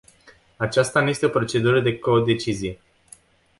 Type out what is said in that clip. Aceasta nu este o procedură de codecizie.